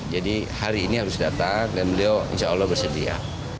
jadi hari ini harus datang dan beliau insya allah bersedia